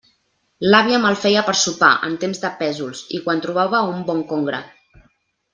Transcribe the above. L'àvia me'l feia per sopar en temps de pèsols i quan trobava un bon congre.